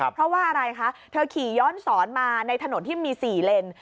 เพราะว่าอะไรคะเธอขี่ย้อนสอนมาในถนนที่มี๔เลน